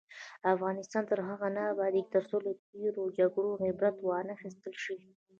افغانستان تر هغو نه ابادیږي، ترڅو له تیرو جګړو عبرت وانخیستل شي.